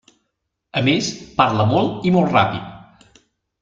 A més, parla molt i molt ràpid.